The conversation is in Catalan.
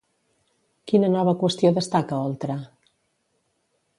Quina nova qüestió destaca Oltra?